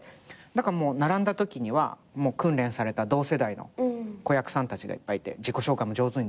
並んだときには訓練された同世代の子役さんたちがいっぱいいて自己紹介も上手にできて。